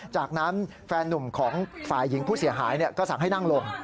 จากนั้นแฟนนุ่มของฝ่ายหญิงผู้เสียหายก็สั่งให้นั่งลง